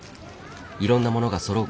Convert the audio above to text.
いろんなものがそろう